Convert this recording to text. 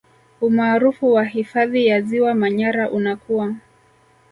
Umaarufu wa hifadhi ya Ziwa Manyara unakua